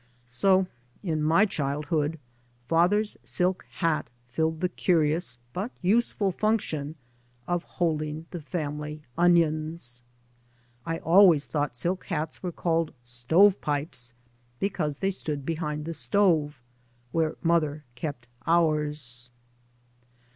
So in my childhood father's silk hat filled the curious but useful function of holding the family onions. I always thought silk hats were called " stove pipes " because they stood behind the stove, where mother kept ours.